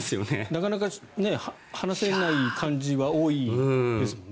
なかなか話せない感じは多いですもんね。